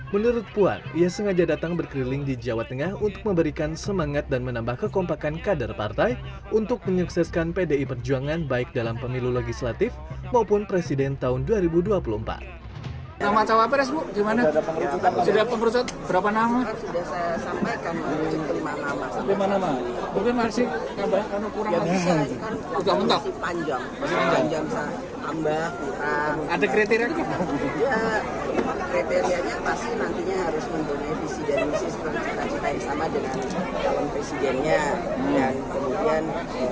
menurut puan ia sengaja datang berkeliling di jawa tengah untuk memberikan semangat dan menambah kekompakan kadar partai untuk menyukseskan pdi perjuangan baik dalam pemilu legislatif maupun presiden tahun dua ribu dua puluh empat